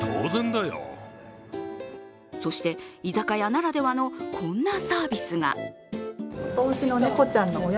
そして居酒屋ならではの、こんなサービスが。